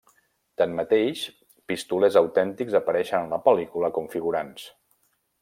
Tanmateix, pistolers autèntics apareixen en la pel·lícula com figurants.